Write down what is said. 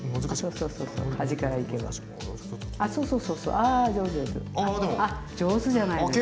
あっ上手じゃないですか。